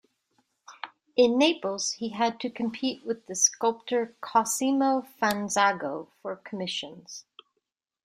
In Naples, he had to compete with the sculptor Cosimo Fanzago for commissions.